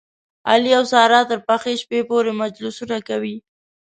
علي او ساره تر پخې شپې پورې مجلسونه کوي.